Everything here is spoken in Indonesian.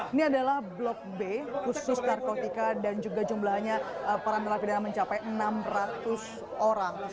ini adalah blok b khusus narkotika dan juga jumlahnya para narapidana mencapai enam ratus orang